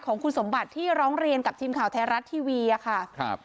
ของคุณสมบัติที่ร้องเรียนกับทีมข่าวไทยรัฐทีวีอะค่ะครับ